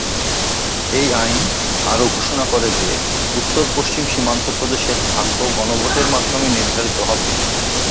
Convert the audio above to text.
এই আইন আরো ঘোষণা করে যে উত্তর-পশ্চিম সীমান্ত প্রদেশের ভাগ্য গণভোটের মাধ্যমে নির্ধারিত হবে।